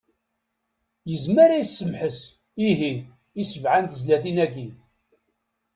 Yezmer ad yessemḥes, ihi, i sebɛa n tezlatin-agi.